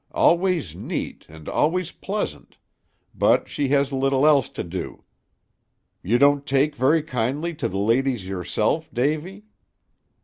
Always neat, and always pleasant; but she has little else to do. You don't take very kindly to the ladies yourself, Davy?"